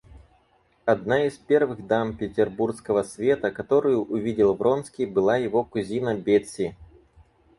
Одна из первых дам Петербурского света, которую увидел Вронский, была его кузина Бетси.